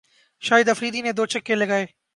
شاہد آفریدی نے دو چھکے لگائے